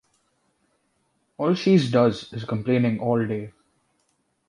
All she’s does is complaining all day.